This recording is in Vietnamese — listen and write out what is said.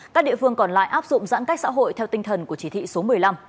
các địa phương còn lại áp dụng giãn cách xã hội theo tinh thần của chỉ thị số một mươi năm